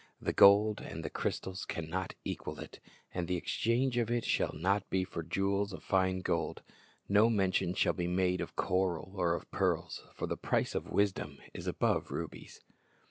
The gold and the crystal can not equal it; And the exchange of it shall not be for jewels of fine gold. No mention shall be made of coral or of pearls, For the price of wisdom is above rubies."'